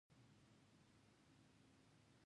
• ښه سلوک د انسان ښکلا ده.